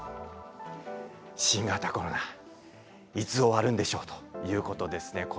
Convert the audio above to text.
新型コロナいつ終息するのですかということです。